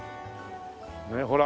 ねえほら